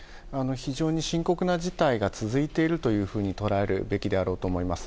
非常に深刻な事態が続いているというふうに捉えるべきであろうと思います。